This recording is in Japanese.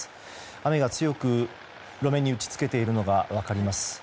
雨が強く路面に打ち付けているのが分かります。